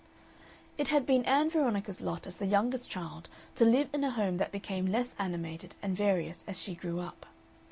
It had been Ann Veronica's lot as the youngest child to live in a home that became less animated and various as she grew up.